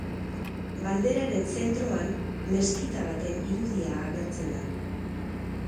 Banderaren zentroan meskita baten irudia agertzen da.